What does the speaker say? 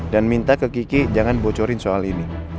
minta ke kiki jangan bocorin soal ini